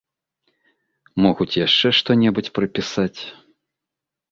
Могуць яшчэ што-небудзь прыпісаць.